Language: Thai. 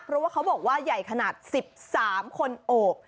เพราะว่าเขาบอกว่าใหญ่ขนาด๑๓คนโอบ